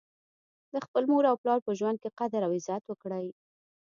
د خپل مور او پلار په ژوند کي قدر او عزت وکړئ